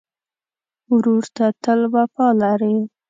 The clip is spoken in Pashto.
ورور ته تل وفا لرې.